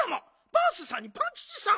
バースさんにパンキチさん。